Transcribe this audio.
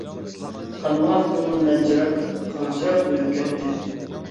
قانمىغان كۆڭۈل نەچچە رەت قاغجىراپ ئۆلۈپ كەتتى.